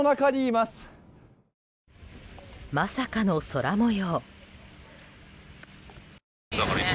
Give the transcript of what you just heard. まさかの空模様。